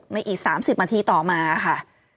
อีก๓๐นาทีต่อมาค่ะ